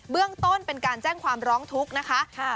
เรื่องต้นเป็นการแจ้งความร้องทุกข์นะคะ